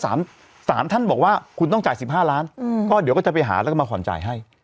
ถ้าศาลท่านบอกว่าคุณต้องจ่าย๑๕ล้านก็เดี๋ยวก็จะไปหาแล้วก็มาข่อนจ่ายให้